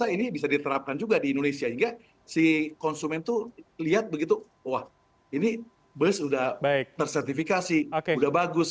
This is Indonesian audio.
ini bisa diterapkan juga di indonesia hingga si konsumen tuh lihat begitu wah ini bus sudah tersertifikasi sudah bagus